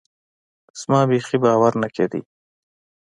زما بيخي باور نه کېده.